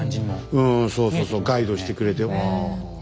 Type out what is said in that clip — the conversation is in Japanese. うんそうそうそうガイドしてくれて。